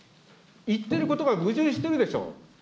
言ってることが矛盾してるでしょ。